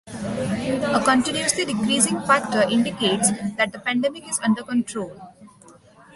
A continuously decreasing factor indicates that the pandemic is under control.